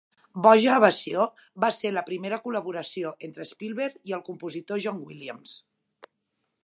'Boja evasió' va ser la primera col·laboració entre Spielberg i el compositor John Williams.